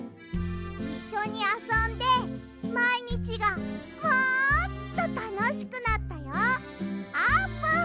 いっしょにあそんでまいにちがもっとたのしくなったよあーぷん！